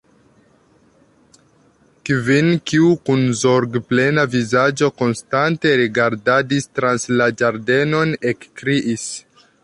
Kvin, kiu kun zorgplena vizaĝo konstante rigardadis trans la ĝardenon, ekkriis.